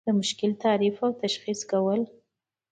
د مشکل تعریف او تشخیص کول.